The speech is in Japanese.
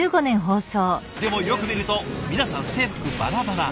でもよく見ると皆さん制服バラバラ。